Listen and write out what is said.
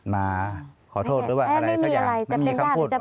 ไม่มีอะไรจะเป็นงาน